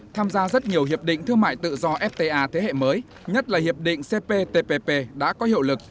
tham gia rất nhiều hiệp định thương mại tự do fta thế hệ mới nhất là hiệp định cptpp đã có hiệu lực